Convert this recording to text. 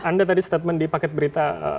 anda tadi statement di paket berita sebelum ini